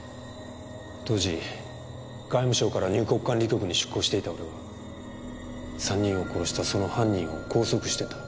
当時外務省から入国管理局に出向していた俺は３人を殺したその犯人を拘束してた。